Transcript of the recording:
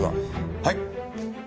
はい！